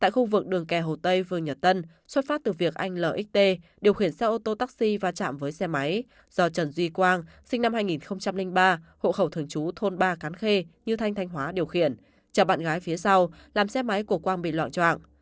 khu vực đường kè hồ tây vương nhật tân xuất phát từ việc anh lxt điều khiển xe ô tô taxi và chạm với xe máy do trần duy quang sinh năm hai nghìn ba hộ khẩu thường trú thôn ba cán khê như thanh thanh hóa điều khiển chạm bạn gái phía sau làm xe máy của quang bị loạn troạng